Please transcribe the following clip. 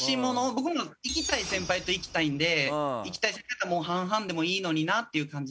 僕も行きたい先輩と行きたいんで行きたい先輩だったら半々でもいいのになっていう感じです。